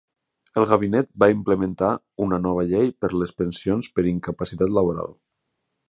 El gabinet va implementar una nova llei per les pensions per incapacitat laboral.